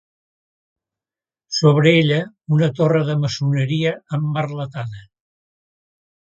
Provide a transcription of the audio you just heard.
Sobre ella una torre de maçoneria emmerletada.